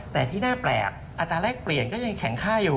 แต่ที่น่าแปลกอัตราแรกเปลี่ยนก็ยังแข็งค่าอยู่